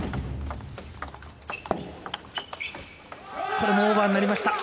これもオーバーになりました。